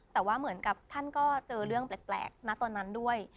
แต่ว่าเหมือนกับท่านก็เจอเรื่องแปลกนะตอนนั้นด้วย